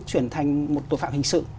chuyển thành một tội phạm hình sự